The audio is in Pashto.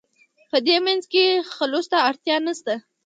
په دې منځ کې خلوص ته اړتیا نشته.